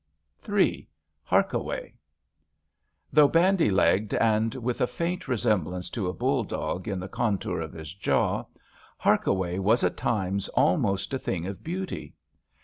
8 Ill HARKAWAY Though bandy legged and with a faint resemblance to a bull dog in the contour of his jaw, Harkaway was at times almost a thing of beauty.